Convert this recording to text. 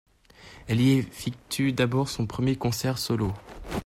Elle y effectue d’ailleurs son premier concert solo.